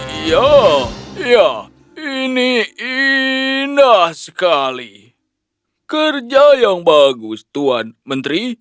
iya iya ini indah sekali kerja yang bagus tuan menteri